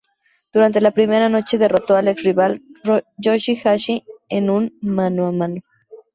Durante la primera noche, derrotó al ex-rival Yoshi-Hashi en un mano o mano.